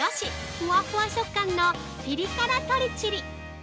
フワフワ食感のピリ辛鶏チリ。